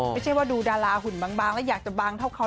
ไม่ใช่ว่าดูดาราหุ่นบางแล้วอยากจะบางเท่าเขา